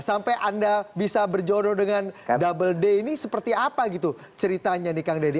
sampai anda bisa berjodoh dengan double d ini seperti apa gitu ceritanya nih kang deddy